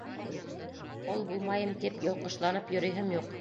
Ҡол булмайым тип, йолҡошланып йөрөйһөм юҡ.